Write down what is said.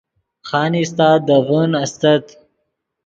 خانیستہ دے ڤین استت